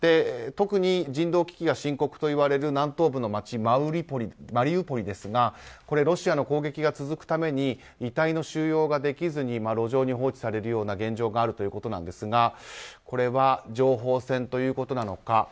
特に人道危機が深刻といわれる南東部の街マリウポリですがロシアの攻撃が続くために遺体の収容ができずに路上に放置されるような現状があるということですがこれは、情報戦ということなのか。